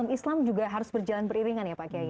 islam juga harus berjalan beriringan ya pak kiai